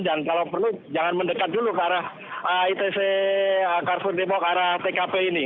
dan kalau perlu jangan mendekat dulu ke arah itc carrefour depok ke arah tkp ini